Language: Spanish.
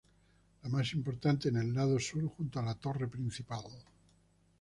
La más importante en el lado sur junto a la torre principal.